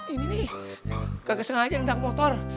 ini nih kagak sengaja tendang motor